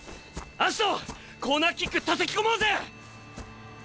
葦人コーナーキックたたき込もうぜ！